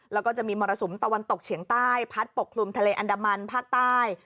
แล้วก็จะมีมรสุมตะวันตกเฉียงใต้พัดปกคลุมทะเลอันดามันภาคใต้